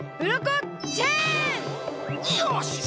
よし！